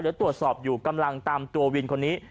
เดี๋ยวตรวจสอบอยู่กำลังตามตัววินคนนี้